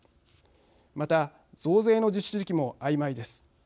また、増税の実施時期もあいまいです。